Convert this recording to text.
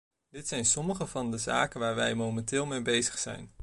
Dit zijn sommige van de zaken waar wij momenteel mee bezig zijn.